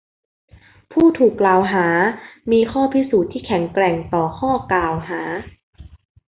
ผู้ถูกกล่าวหามีข้อพิสูจน์ที่แข็งแกร่งต่อข้อกล่าวหา